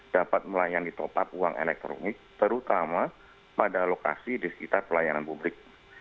dapat melayani top up uang elektronik terutama pada lokasi di sekitar pelayanan publik